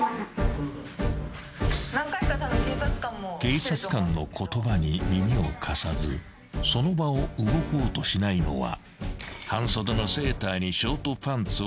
［警察官の言葉に耳を貸さずその場を動こうとしないのは］